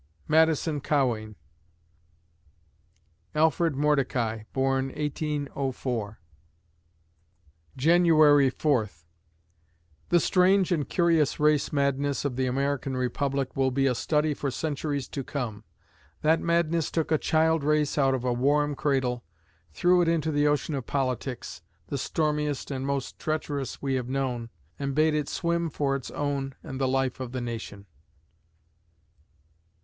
MADISON CAWEIN Alfred Mordecai born, 1804 January Fourth The strange and curious race madness of the American Republic will be a study for centuries to come. That madness took a child race out of a warm cradle, threw it into the ocean of politics the stormiest and most treacherous we have known and bade it swim for its own and the life of the nation!